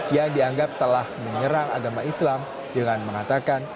yang dianggap telah menyerang agama islam dengan mengatakan